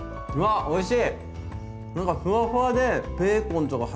おいしい。